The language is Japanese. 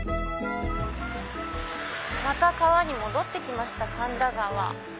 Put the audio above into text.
また川に戻って来ました神田川。